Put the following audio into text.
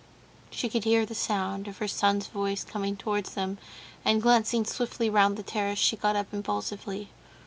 She could hear the sound of her son's voice coming towards them, and glancing swiftly round the terrace, she got up impulsively.